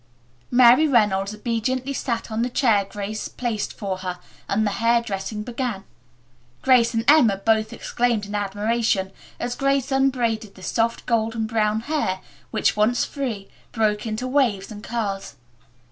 Mary Reynolds obediently sat on the chair Grace placed for her and the hair dressing began. Grace and Emma both exclaimed in admiration as Grace unbraided the soft golden brown hair, which, once free, broke into waves and curls.